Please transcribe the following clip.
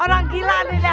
orang gila nih dia